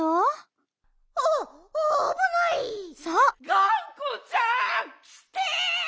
・がんこちゃんきて！